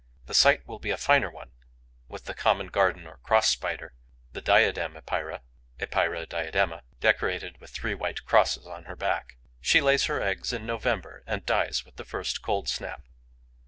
The sight will be a finer one with the common Garden or Cross Spider, the Diadem Epeira (Epeira diadema, LIN.), decorated with three white crosses on her back. She lays her eggs in November and dies with the first cold snap.